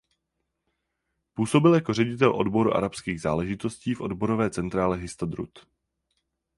Působil jako ředitel odboru arabských záležitosti v odborové centrále Histadrut.